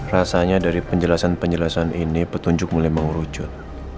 rasanya dari penjelasan penjelasan ini petunjuk mulai mengerucut